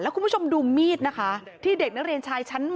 คุณผู้ชมดูมีดนะคะที่เด็กนักเรียนชายชั้นม๔